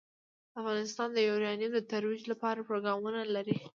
افغانستان د یورانیم د ترویج لپاره پروګرامونه لري.